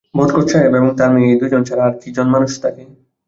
বরকত সাহেব এবং তাঁর মেয়ে- এই দু জন ছাড়া আর কী জন মানুষ থাকে?